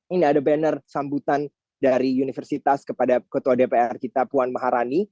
ini ada banner sambutan dari universitas kepada ketua dpr kita puan maharani